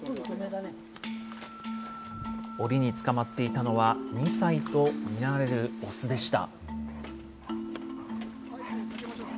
おりに捕まっていたのは、２歳と見られる雄でした。